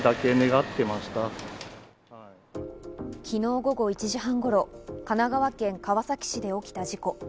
昨日午後１時半頃、神奈川県川崎市で起きた事故。